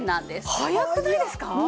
速くないですか？